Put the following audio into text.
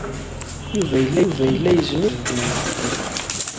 Yuba yella yesnuzuy azebg-nni.